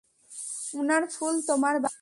উনার ফুল, তোমার বাগান।